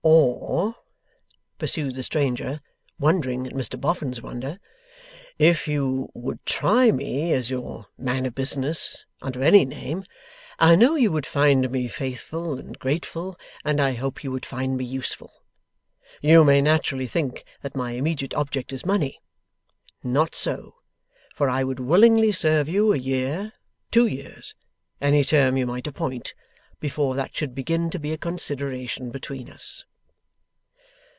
'Or,' pursued the stranger, wondering at Mr Boffin's wonder, 'if you would try me as your man of business under any name, I know you would find me faithful and grateful, and I hope you would find me useful. You may naturally think that my immediate object is money. Not so, for I would willingly serve you a year two years any term you might appoint before that should begin to be a consideration between us.